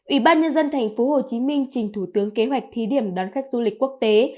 ủy ban nhân dân thành phố hồ chí minh trình thủ tướng kế hoạch thí điểm đón khách du lịch quốc tế